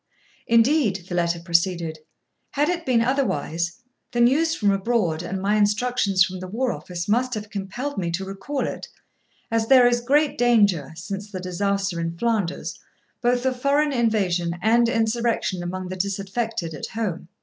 'Indeed,' the letter proceeded, 'had it been otherwise, the news from abroad and my instructions from the War Office must have compelled me to recall it, as there is great danger, since the disaster in Flanders, both of foreign invasion and insurrection among the disaffected at home.